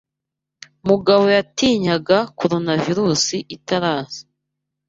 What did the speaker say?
Mugabo yatinyaga Coronavirus itaraza.